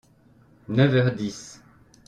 Neuf heures dix.